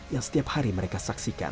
yang setiap hari mereka saksikan